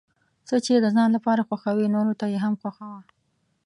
څه چې د ځان لپاره خوښوې نورو ته یې هم خوښوه.